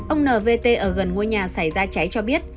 ông nvt ở gần ngôi nhà xảy ra cháy cho biết